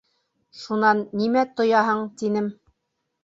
Шунан, нимә тояһың, тинем.